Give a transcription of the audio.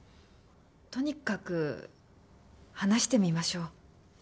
とにかく話してみましょう。